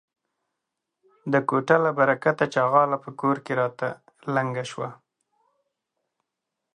د کوټه له برکته ،چغاله په کور کې راته لنگه سوه.